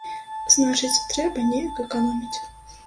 Значыць, трэба неяк эканоміць.